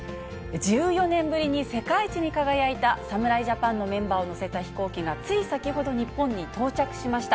１４年ぶりに世界一に輝いた、侍ジャパンのメンバーを乗せた飛行機がつい先ほど、日本に到着しました。